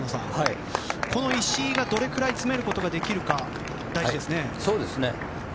この石井がどれくらい詰められるかが大事ですね。